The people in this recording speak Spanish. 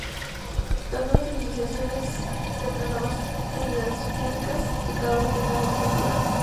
Las tres nuevas civilizaciones tendrán nuevas unidades únicas y cada una tendrá nuevas habilidades.